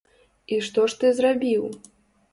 І што ж ты зрабіў?